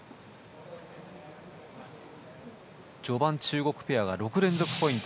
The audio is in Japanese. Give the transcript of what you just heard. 序盤、中国ペアが６連続ポイント